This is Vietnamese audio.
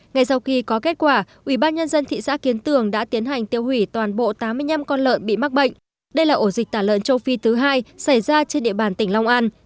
ngay sau khi có kết quả ubnd thị xã kiến tường đã tiến hành tiêu hủy toàn bộ tám mươi năm con lợn bị mắc bệnh đây là ổ dịch tả lợn châu phi thứ hai xảy ra trên địa bàn tỉnh long an